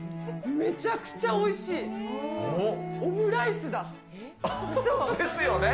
めちゃくちゃおいしい、オムライスだ。ですよね。